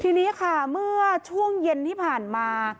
ทีนี้ค่ะเมื่อช่วงเย็นที่ผ่านมา